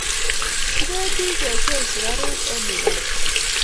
Kipendi ke cheng sukaruk en Uganda